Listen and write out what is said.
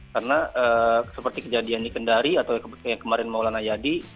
karena seperti kejadian di kendari atau yang kemarin maulana yadi